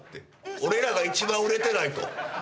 俺らが１番売れてないと。